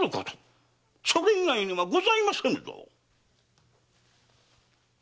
それ以外にはございませんぞ！